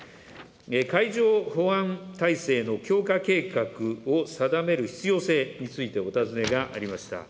海上保安体制の強化計画を定める必要性について、お尋ねがありました。